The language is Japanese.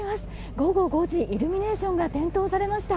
午後５時、イルミネーションが点灯されました。